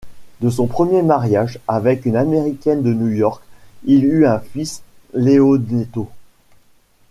De son premier mariage avec une américaine de New-York, il eut un fils, Leonetto.